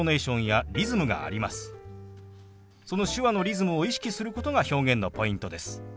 その手話のリズムを意識することが表現のポイントです。